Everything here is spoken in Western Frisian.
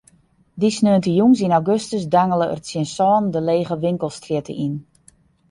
Dy sneontejûns yn augustus dangele er tsjin sânen de lege winkelstrjitte yn.